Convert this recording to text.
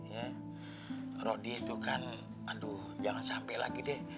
ya rodi itu kan aduh jangan sampai lagi deh